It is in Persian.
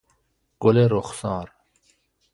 گل رخسار